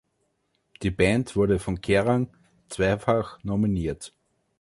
Die Band wurde von Kerrang zweifach nominiert!